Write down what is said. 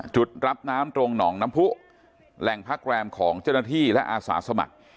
จุดรับน้ำตรงหนองน้ำผู้แหล่งพักแรมของเจ้าหน้าที่และอาสาสมัคร